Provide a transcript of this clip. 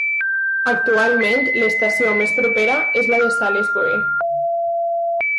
Actualment l'estació més propera és la de Salisbury.